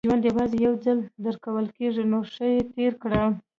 • ژوند یوازې یو ځل درکول کېږي، نو ښه یې تېر کړه.